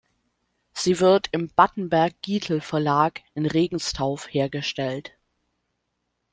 Sie wird im "Battenberg Gietl Verlag" in Regenstauf hergestellt.